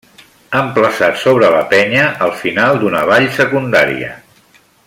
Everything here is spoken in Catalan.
Emplaçat sobre la penya al final d'una vall secundària.